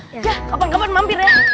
udah kapan kapan mampir ya